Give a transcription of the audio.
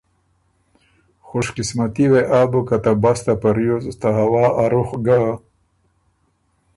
خوش قسمتي وې آ بُک که ته بسته په ریوز ته هوا ا رُخ ګه